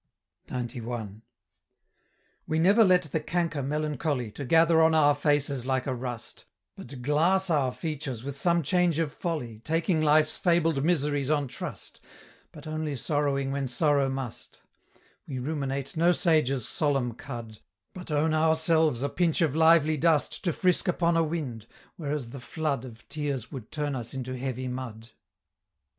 XCI. "We never let the canker melancholy To gather on our faces like a rust, But glass our features with some change of folly, Taking life's fabled miseries on trust, But only sorrowing when sorrow must: We ruminate no sage's solemn cud, But own ourselves a pinch of lively dust To frisk upon a wind, whereas the flood Of tears would turn us into heavy mud."